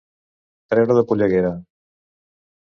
Treure de polleguera.